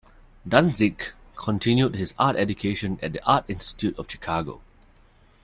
Dantzig continued his art education at the Art Institute of Chicago.